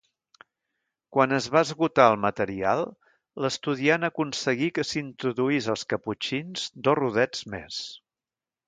Quan es va esgotar el material, l'estudiant aconseguí que s'introduís als Caputxins dos rodets més.